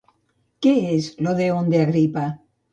Què és l'Odèon d'Agripa?